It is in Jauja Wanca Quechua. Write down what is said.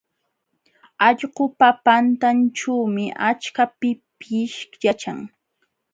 Allqupa patanćhuumi achka pikish yaćhan.